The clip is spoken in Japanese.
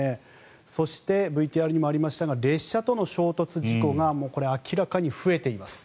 そして、ＶＴＲにもありましたが列車との衝突事故がこれは明らかに増えています。